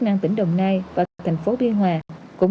và tỉnh đồng nai nói chung